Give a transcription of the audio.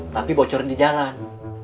tapi bocor di jalan